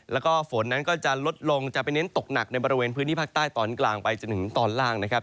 แล้วก็ฝนนั้นก็จะลดลงจะไปเน้นตกหนักในบริเวณพื้นที่ภาคใต้ตอนกลางไปจนถึงตอนล่างนะครับ